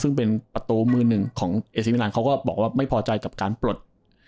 ซึ่งเป็นประตูมือหนึ่งของเอซิมิลันเขาก็บอกว่าไม่พอใจกับการปลด